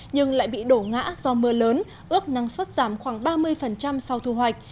nhưng lại bị đổ ngã do mưa lớn ước năng suất giảm khoảng ba mươi sau thu hoạch